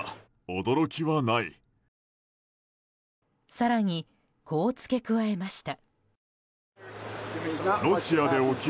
更に、こう付け加えました。